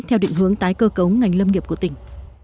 theo định hướng tái cơ cấu ngành lâm nghiệp của tỉnh